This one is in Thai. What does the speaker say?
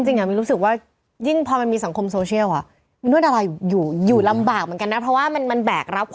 เนี่ยอย่างพี่พูดไปเนี่ยพี่ก็ไม่รู้พี่จะโดนด่าอีกเมื่อไหร่